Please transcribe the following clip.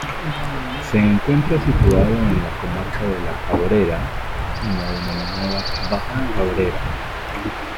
Se encuentra situado en la Comarca de La Cabrera, en la denominada Baja Cabrera.